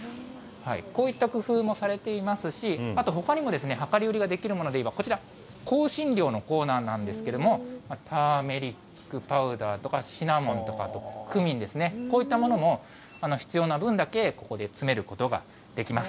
こういった工夫もされていますし、あとほかにも、量り売りができるものでいえば、香辛料のコーナーなんですけれども、ターメリックパウダーとか、シナモンとかクミンですね、こういったものも必要な分だけ、ここで詰めることができます。